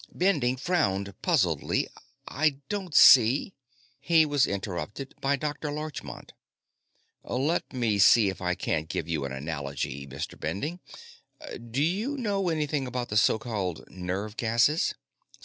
Bending frowned puzzledly. "I don't see " He was interrupted by Dr. Larchmont. "Let me see if I can't give you an analogy, Mr. Bending. Do you know anything about the so called 'nerve gases'?"